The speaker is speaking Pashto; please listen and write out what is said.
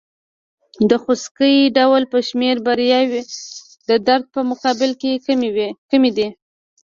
د خوسکي ډول په شمېر بریاوې د درد په مقابل کې کمې دي.